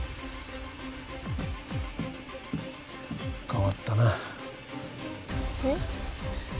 変わったなえっ？